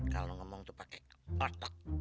kalau ngomong tuh pakai ortek